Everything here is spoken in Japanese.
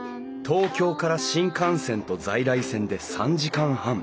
東京から新幹線と在来線で３時間半。